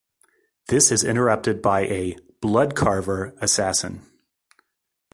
This is interrupted by a "Blood Carver" assassin.